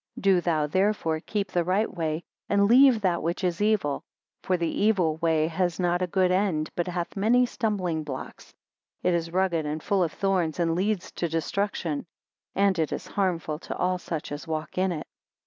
4 Do thou therefore keep the right way, and leave that which is evil. For the evil way has not a good end, but hath many stumbling blocks; it is rugged and full of thorns, and leads to destruction; and it is hurtful to all such as walk in it.